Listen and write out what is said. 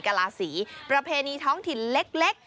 กลาศีประเพณีท้องถิ่นเล็ก